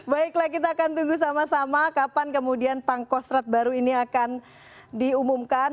baiklah kita akan tunggu sama sama kapan kemudian pangkostrat baru ini akan diumumkan